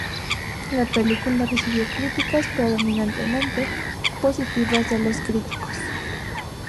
La película recibió críticas predominantemente positivas de los críticos.